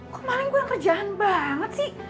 kok maling gue yang kerjaan banget sih